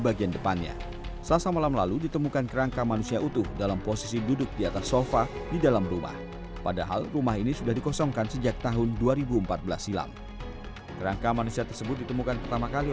menemukan kerangka manusia yang posisinya berada di atas sofa